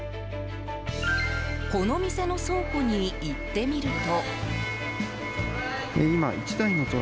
この店の倉庫に行ってみると。